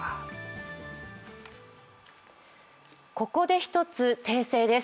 ここで１つ訂正です。